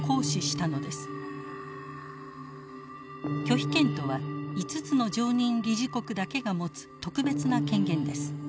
拒否権とは５つの常任理事国だけが持つ特別な権限です。